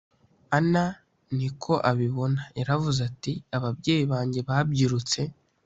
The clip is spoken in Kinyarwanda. anna ni ko abibona yaravuze ati ababyeyi banjye babyirutse